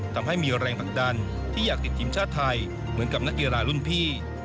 ทำให้มีแรงผลักดันที่อยากติดทีมชาติไทยเหมือนกับนักกีฬารุ่นพี่